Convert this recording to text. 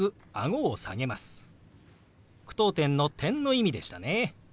句読点の「、」の意味でしたね。